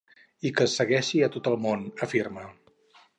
I que es segueixi a tot el món, afirma.